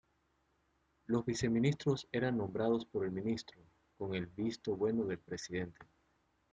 Los viceministros eran nombrados por el Ministro, con el visto bueno del Presidente.